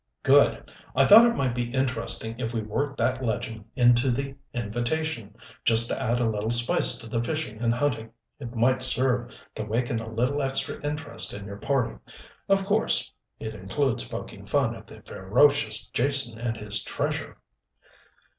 "Good. I thought it might be interesting if we worked that legend into the invitation just to add a little spice to the fishing and hunting. It might serve to waken a little extra interest in your party. Of course it includes poking fun at the ferocious Jason and his treasure."